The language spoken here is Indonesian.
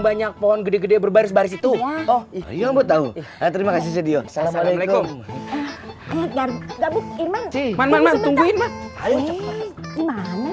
banyak pohon gede gede berbaris baris itu oh iya bu tahu terima kasih studio assalamualaikum